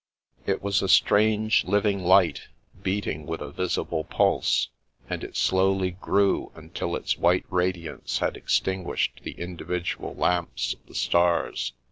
It was a strange, living light, beating with a visible pulse, and it slowly grew until its white radiance had extinguished the individual lamps of the stars.